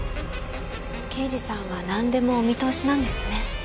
刑事さんはなんでもお見通しなんですね。